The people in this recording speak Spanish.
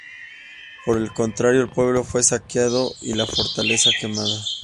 Por el contrario, el pueblo fue saqueado y la fortaleza quemada.